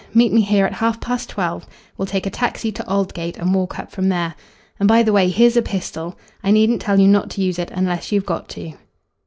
Meet me here at half past twelve. We'll take a taxi to Aldgate and walk up from there. And, by the way, here's a pistol. I needn't tell you not to use it unless you've got to."